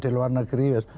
di luar negeri